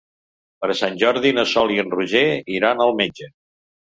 Per Sant Jordi na Sol i en Roger iran al metge.